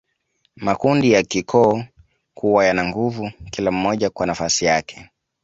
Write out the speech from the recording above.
Makundi ya kikoo kuwa yana nguvu kila mmoja kwa nafasi yake